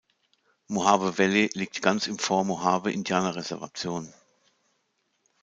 Mohave Valley liegt ganz im Fort Mohave Indianer-Reservation.